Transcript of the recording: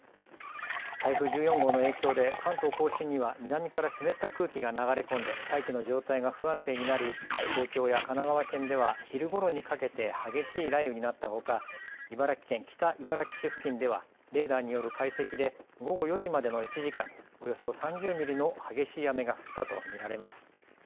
台風１４号の影響で関東甲信には南から湿った空気が流れ込んで大気の状態が不安定になり東京や神奈川県では昼ごろにかけて激しい雷雨になったほか茨城県北茨城市付近ではレーダーによる解析で午後４時までの１時間におよそ３０ミリの激しい雨が降ったと見られます。